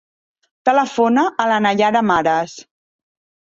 Telefona a la Nayara Mares.